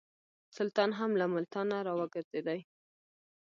سلطان هم له ملتانه را وګرځېدی.